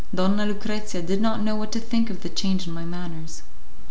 Donna Lucrezia did not know what to think of the change in my manners.